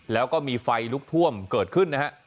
แล้วก็มีไฟลุกท่วมเกิดขึ้นนะฮะ